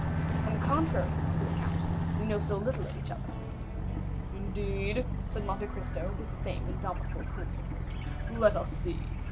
"On the contrary," said the count, "we know so little of each other." "Indeed?" said Monte Cristo, with the same indomitable coolness; "let us see.